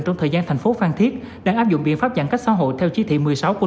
trong thời gian thành phố phan thiết đang áp dụng biện pháp giãn cách xã hội theo chí thị một mươi sáu của